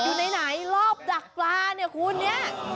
อยู่ไหนรอบดักปลาเนี่ยคุณเนี่ย